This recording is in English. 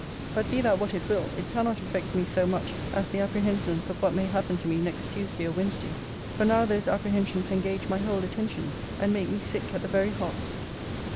But be that what it will, it cannot affect me so much, as the apprehensions of what may happen to me next Tuesday or Wednesday; for now those apprehensions engage my whole attention, and make me sick at the very heart.